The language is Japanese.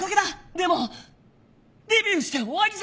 でもデビューして終わりじゃねえ。